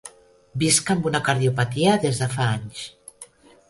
Visc amb una cardiopatia des de fa anys.